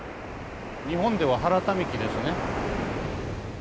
日本では原民喜ですね。